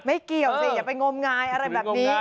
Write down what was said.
ไม่เกี่ยวจะไปงมงายอะไรอะไรแบบนี้